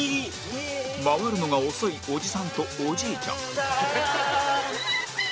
回るのが遅いおじさんとおじいちゃん